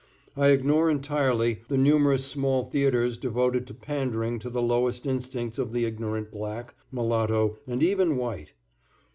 I ignore entirely the numerous small theatres devoted to pandering to the lowest instincts of the ignorant black, mulatto and even white.